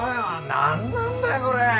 何なんだよこれ！